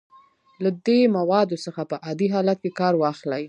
له دې موادو څخه په عادي حالت کې کار واخلئ.